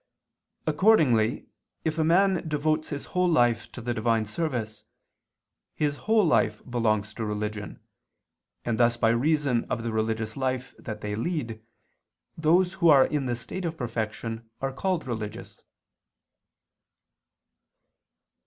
Accordingly if a man devotes his whole life to the divine service, his whole life belongs to religion, and thus by reason of the religious life that they lead, those who are in the state of perfection are called religious.